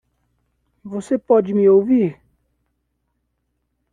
Você pode me ouvir?